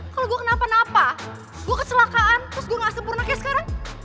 kalau gue kenapa napa gue kecelakaan terus gue gak sempurna kayak sekarang